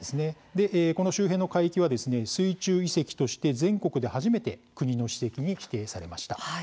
この周辺の海域は水中遺跡として全国で初めて国の史跡に指定されました。